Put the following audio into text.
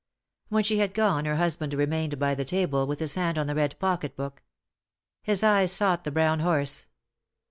When she had gone her husband remained by the table with his hand on the red pocket book. His eyes sought the brown horse.